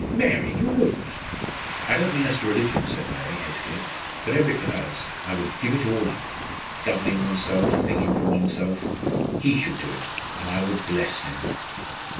Mary you wouldn't!" "I don't mean as to religion," said Mary, hastily. "But everything else I would give it all up! governing one's self, thinking for one's self. He should do it, and I would bless him!"